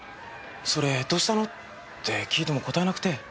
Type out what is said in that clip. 「それどうしたの？」って訊いても答えなくて。